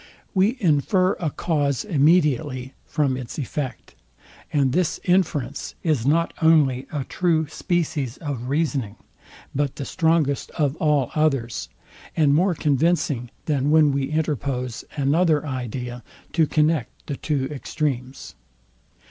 We infer a cause immediately from its effect; and this inference is not only a true species of reasoning, but the strongest of all others, and more convincing than when we interpose another idea to connect the two extremes.